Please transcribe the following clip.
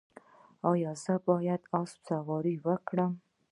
ایا زه باید اس سواري وکړم؟